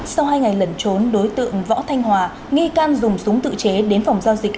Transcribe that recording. sau hai ngày lẩn trốn đối tượng võ thanh hòa nghi can dùng súng tự chế đến phòng giao dịch